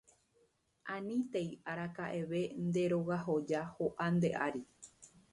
Anitéi araka'eve nde rogahoja ho'a nde ári